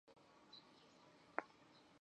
中间的拱肩上有曼努埃尔一世的徽章。